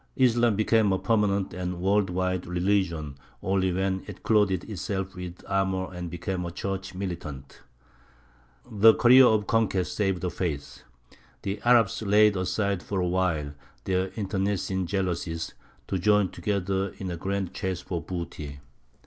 Islam became a permanent and world wide religion only when it clothed itself with armour and became a church militant. The career of conquest saved the faith. The Arabs laid aside for awhile their internecine jealousies, to join together in a grand chase for booty.